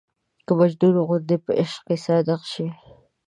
که مجنون غوندې په عشق کې صادق شي.